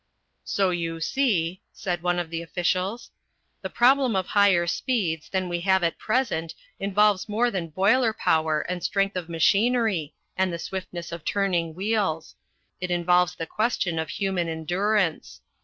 "So you see," said one of the officials, "the problem of higher speeds than we have at present involves more than boiler power and strength of machinery and the swiftness of turning wheels it involves the question of human endurance.